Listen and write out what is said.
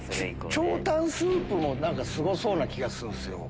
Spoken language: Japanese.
頂湯スープもすごそうな気がするんすよ。